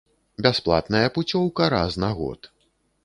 Бясплатная пуцёўка раз на год.